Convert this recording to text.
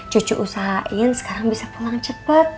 cucu usahain sekarang bisa pulang cepat